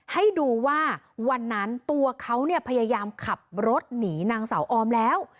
ให้ดูว่าวันนั้นตัวเขาเนี่ยพยายามขับรถหนีนางสาวออมแล้ว